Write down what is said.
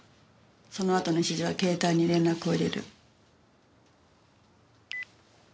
そのあとの指示は携帯に連絡を入れる。